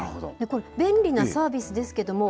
これ、便利なサービスですけれども、